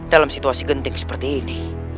dalam situasi genting seperti ini